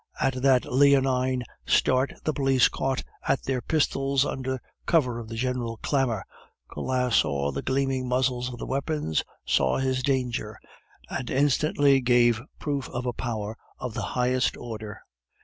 At that leonine start the police caught at their pistols under cover of the general clamor. Collin saw the gleaming muzzles of the weapons, saw his danger, and instantly gave proof of a power of the highest order.